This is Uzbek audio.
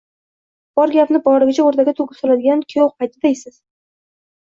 Bor gapni borligicha o‘rtaga to‘kib soladigan kuyov qayda deysiz